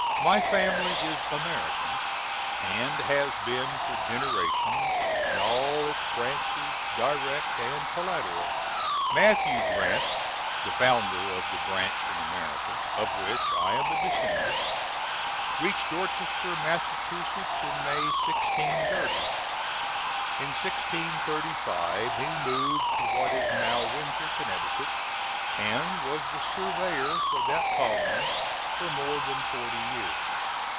My family is American, and has been for generations, in all its branches, direct and collateral. Mathew Grant, the founder of the branch in America, of which I am a descendant, reached Dorchester, Massachusetts, in May, 1630. In 1635 he moved to what is now Windsor, Connecticut, and was the surveyor for that colony for more than forty years.